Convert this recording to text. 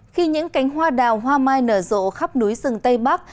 khi những cánh hoa đào hoa mai nở rộ khắp núi rừng tây bắc